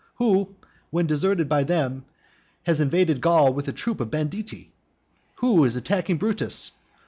who, when deserted by them, has invaded Gaul with a troop of banditti? who is attacking Brutus?